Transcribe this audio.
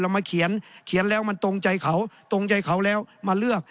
มาเขียนเขียนแล้วมันตรงใจเขาตรงใจเขาแล้วมาเลือก